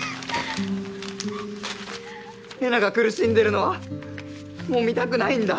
えなが苦しんでるのはもう見たくないんだ。